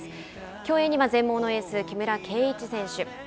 競泳には全盲のエース木村敬一選手